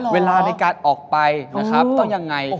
เวลาไปกลับห้องไปจะต้องยังไง